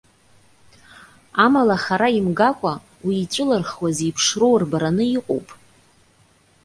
Амала хара имгакәа уи иҵәылырхуа зеиԥшроу рбараны иҟоуп.